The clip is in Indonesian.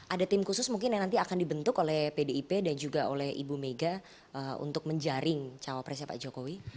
ada tim khusus mungkin yang nanti akan dibentuk oleh pdip dan juga oleh ibu mega untuk menjaring cawapresnya pak jokowi